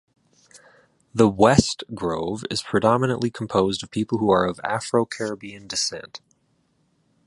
The "West" Grove is predominantly composed of people who are of Afro-Caribbean descent.